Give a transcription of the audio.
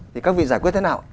thì các vị giải quyết thế nào